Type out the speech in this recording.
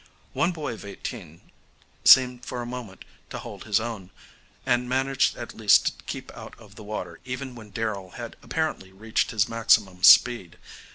One boy of eighteen seemed for a moment to hold his own, and managed at least to keep out of the water even when Darrell had apparently reached his maximum speed.